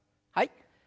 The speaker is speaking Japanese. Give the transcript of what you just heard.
はい。